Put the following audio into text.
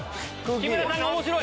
木村さんが面白い！